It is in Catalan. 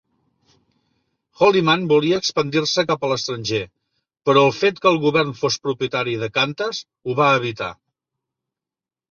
Holyman volia expandir-se cap a l'estranger, però el fet que el govern fos propietari de Qantas ho va evitar.